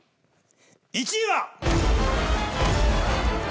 １位は。